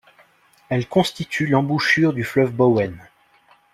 Elles constituent l'embouchure du fleuve Bowen.